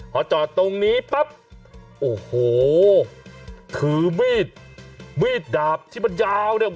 พอจอดตรงนี้ปั๊บโอ้โหถือมีดมีดดาบที่มันยาวเนี่ย